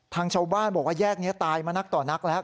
ชาวบ้านบอกว่าแยกนี้ตายมานักต่อนักแล้ว